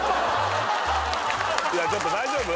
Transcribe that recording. いやちょっと大丈夫？